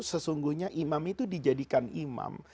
sesungguhnya imam itu dijadikan imam